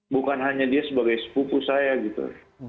bukan hanya dia sebagai sepupu saya gitu